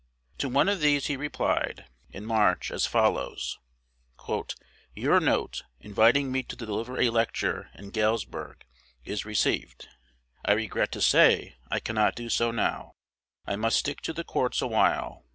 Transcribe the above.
To one of these he replied, in March, as follows: "Your note, inviting me to deliver a lecture in Gales burgh, is received. I regret to say I cannot do so now: I must stick to the courts a while.